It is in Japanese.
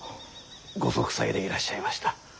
ご息災でいらっしゃいました。